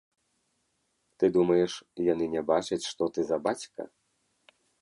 Ты думаеш, яны не бачаць, што ты за бацька?